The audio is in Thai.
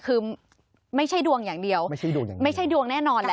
คือไม่ใช่ดวงอย่างเดียวไม่ใช่ดวงแน่นอนแหละ